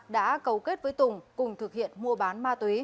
đã cầu kết với tùng cùng thực hiện mua bán